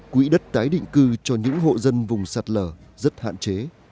quỹ đất tái định cư cho những hộ dân vùng sạt lở rất hạn chế